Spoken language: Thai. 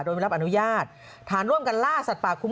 โดยไม่รับอนุญาตฐานร่วมกันล่าสัตว์ป่าคุ้ม